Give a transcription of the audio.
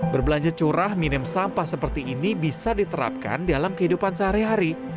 berbelanja curah minum sampah seperti ini bisa diterapkan dalam kehidupan sehari hari